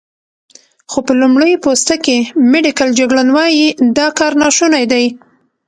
خو په لمړی پوسته کې، میډیکل جګړن وايي، دا کار ناشونی دی.